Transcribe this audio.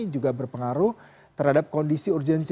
juga berpengaruh terhadap kondisi urgensi